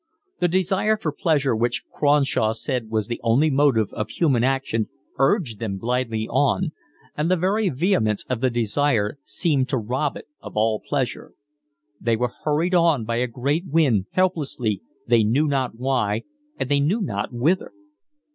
The desire for pleasure which Cronshaw said was the only motive of human action urged them blindly on, and the very vehemence of the desire seemed to rob it of all pleasure. They were hurried on by a great wind, helplessly, they knew not why and they knew not whither.